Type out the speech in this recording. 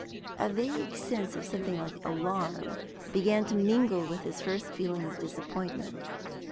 A vague sense of something like alarm began to mingle with his first feeling of disappointment.